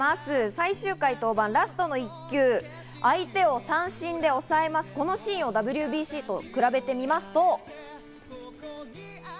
最終回、登板ラストの１球、相手を三振で抑えます、このシーンをＷＢＣと比べてみますと。